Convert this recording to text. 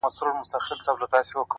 مثبت لید د ستونزو شدت کموي